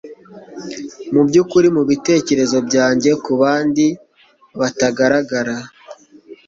Mubyukuri mubitekerezo byanjye kubandi batagaragara